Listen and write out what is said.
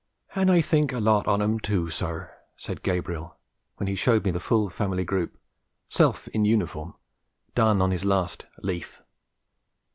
'An' I think a lot on 'em, too, sir,' said Gabriel, when he showed me the full family group (self in uniform) done on his last 'leaf.'